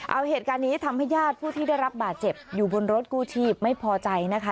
เอาเหตุการณ์นี้ทำให้ญาติผู้ที่ได้รับบาดเจ็บอยู่บนรถกู้ชีพไม่พอใจนะคะ